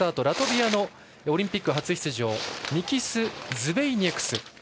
ラトビア、オリンピック初出場ミキス・ズベイニェクス。